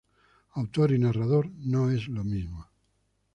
Autor y narrador no es lo mismo.